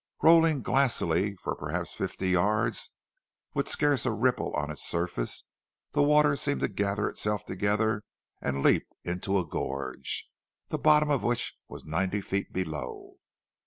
Rolling glassily for perhaps fifty yards, with scarce a ripple on its surface, the water seemed to gather itself together, and leap into a gorge, the bottom of which was ninety feet below.